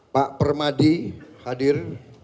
pak permadi hadir